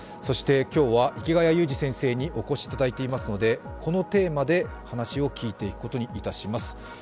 今日は池谷裕二先生にお越しいただいておりますのでこのテーマで話を聞いていくことにいたします。